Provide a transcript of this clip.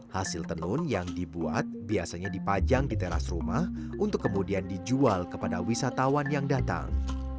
hasil tenun yang dibuat biasanya dipajang di teras rumah untuk kemudian dijual kepada wisatawan yang datang